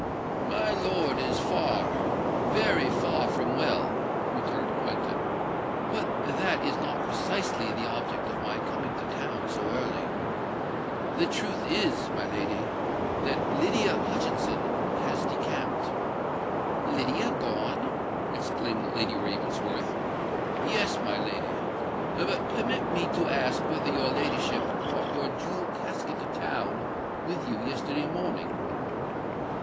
"My lord is far—very far from well," returned Quentin: "but that is not precisely the object of my coming to town so early. The truth is, my lady, that Lydia Hutchinson has decamped." "Lydia gone!" exclaimed Lady Ravensworth. "Yes—my lady. But permit me to ask whether your ladyship brought your jewel casket to town with you yesterday morning."